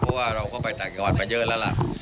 เพราะว่าเราก็ไปต่างจังหวัดมาเยอะแล้วล่ะ